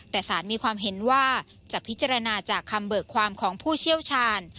แต่สารมีความเห็นว่าจะพิจารณาจากคำเบิกความของผู้เชี่ยวชาญ